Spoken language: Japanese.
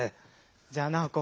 じゃあナオコ。